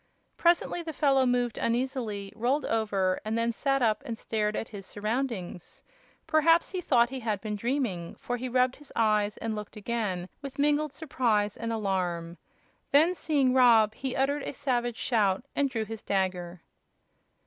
Presently the fellow moved uneasily, rolled over, and then sat up and stared at his surroundings. Perhaps he thought he had been dreaming, for he rubbed his eyes and looked again with mingled surprise and alarm. Then, seeing Rob, he uttered a savage shout and drew his dagger.